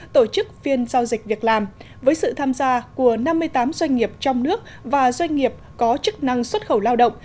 tổ chức phiên giao dịch việc làm với sự tham gia của năm mươi tám doanh nghiệp trong nước và doanh nghiệp có chức năng xuất khẩu lao động